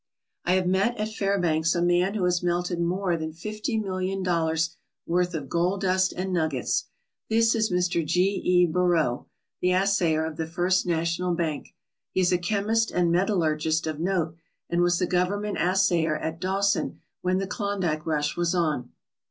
I have met at Fairbanks a man who has melted more than fifty million dollars' worth of gold dust and nuggets. This is Mr. G. E. Beraud, the assayer of the First National Bank. He is a chemist and metallurgist of note, and was the government assayer at Dawson when the Klondike rush was on.